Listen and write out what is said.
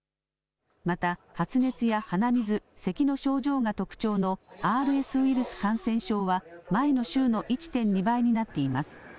また、発熱や鼻水、せきの症状が特徴のＲＳウイルス感染症は、前の週の１．２倍になっています。